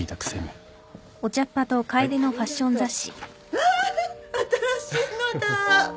わ新しいのだ！